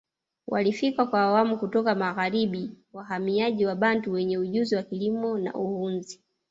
Walifika kwa awamu kutoka magharibi wahamiaji Wabantu wenye ujuzi wa kilimo na uhunzi